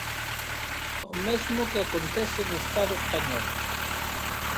O mesmo que acontece no Estado español.